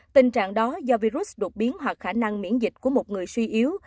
tình trạng đó do virus đột biến hoặc khả năng miễn dịch của một người suy yếu